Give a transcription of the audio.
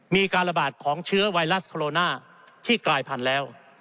มีการระบาดของเชื้อไวรัสโคโรนาที่กลายพันธุ์แล้ว